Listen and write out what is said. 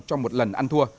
cho một lần ăn thua